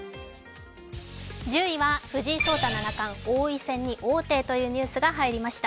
１０位は藤井聡太七冠、王位戦に王手というニュースが入りました。